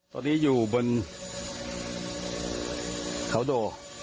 ตอนนี้อยู่บนเขาโด